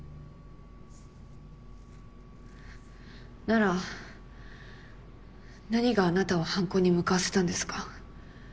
なら何があなたを犯行に向かわせたんですか？